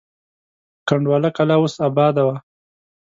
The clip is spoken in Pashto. کنډواله کلا اوس اباده وه.